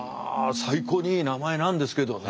最高にいい名前なんですけどね。